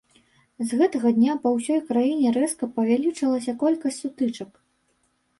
З гэтага дня па ўсёй краіне рэзка павялічылася колькасць сутычак.